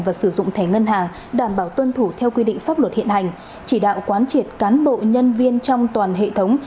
và sử dụng thẻ ngân hàng đảm bảo tuân thủ theo quy định pháp luật hiện hành chỉ đạo quán triệt cán bộ nhân viên trong toàn hệ thống